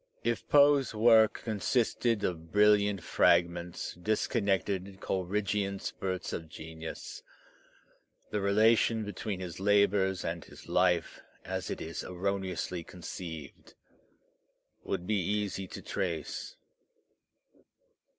If Poe's work consisted of brilliant fragments, disconnected Coleridgean spurts of genius, the relation between his labours and his life, as it is erroneously conceived, would be easy to trace.